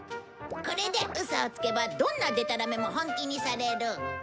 これでウソをつけばどんなデタラメも本気にされる。